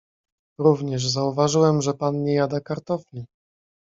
"Również zauważyłem że pan nie jada kartofli."